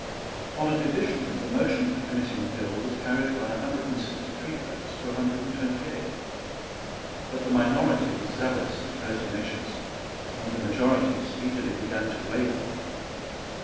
On a division the motion for committing the bill was carried by a hundred and sixty three votes to a hundred and twenty eight. But the minority was zealous and pertinacious; and the majority speedily began to waver.